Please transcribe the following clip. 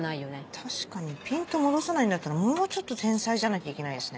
確かにピント戻さないんだったらもうちょっと天才じゃなきゃいけないですね。